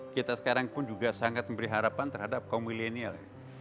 kita sekarang pun juga sangat memberi harapan terhadap kaum milenial